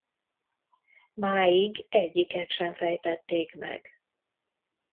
Máig egyiket sem fejtették meg.